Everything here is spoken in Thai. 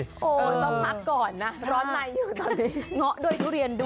ต้องพักก่อนนะร้อนในนี้